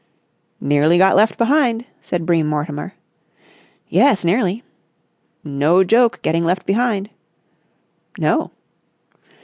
"Nearly got left behind," said Bream Mortimer. "Yes, nearly." "No joke getting left behind." "No."